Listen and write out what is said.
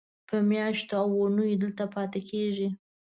په میاشتو او اوونیو دلته پاتې کېږي.